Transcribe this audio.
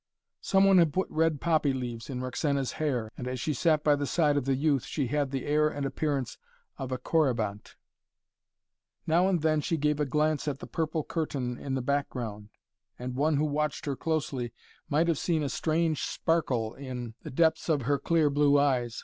Some one had put red poppy leaves in Roxana's hair, and as she sat by the side of the youth, she had the air and appearance of a Corybante. Now and then she gave a glance at the purple curtain in the background, and one who watched her closely might have seen a strange sparkle in the depths of her clear blue eyes.